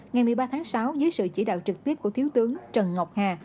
ngày một mươi ba tháng sáu dưới sự chỉ đạo trực tiếp của thiếu tướng trần ngọc hà